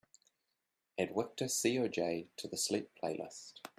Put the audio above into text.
Add wiktor coj to the Sleep playlist.